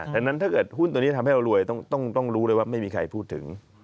ดังนั้นถ้าเกิดหุ้นตัวนี้ทำให้เรารวยต้องรู้เลยว่าไม่มีใครพูดถึง